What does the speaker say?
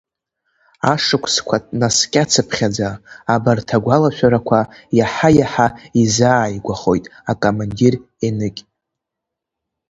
Ашықәсқәа наскьацыԥхьаӡа абарҭ агәалашәарақәа иаҳа-иаҳа изааигәахоит акомандир Еныкь.